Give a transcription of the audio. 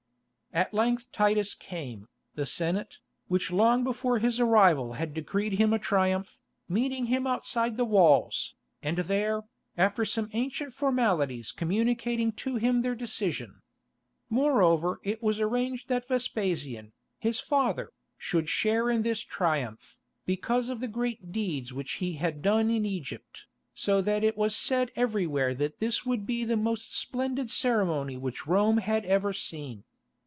At length Titus came, the Senate, which long before his arrival had decreed him a Triumph, meeting him outside the walls, and there, after some ancient formalities communicating to him their decision. Moreover, it was arranged that Vespasian, his father, should share in this Triumph, because of the great deeds which he had done in Egypt, so that it was said everywhere that this would be the most splendid ceremony which Rome had ever seen.